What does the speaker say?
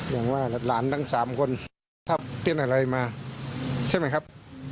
อย่างว่าหลานทั้ง๓คนถ้าเป็นอะไรมาใช่ไหมครับ